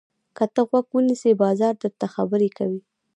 که ته غوږ ونیسې، بازار درته خبرې کوي.